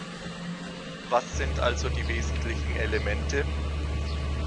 Was sind also die wesentlichen Elemente?